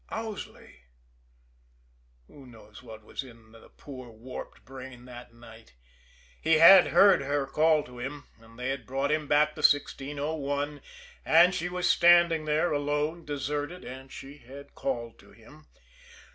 Owsley? Who knows what was in the poor, warped brain that night? He had heard her call to him, and they had brought him back the 1601, and she was standing there, alone, deserted and she had called to him.